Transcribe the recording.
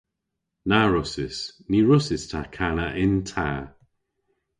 Na wrussys. Ny wrussys ta kana yn ta.